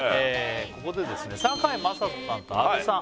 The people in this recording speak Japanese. ここでですね堺雅人さんと阿部さん